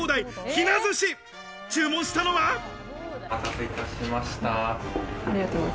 お待たせいたしました。